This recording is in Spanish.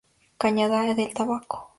Cañada del Tabaco.